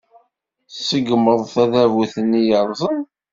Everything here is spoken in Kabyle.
Tṣeggmed tadabut-nni yerrẓen.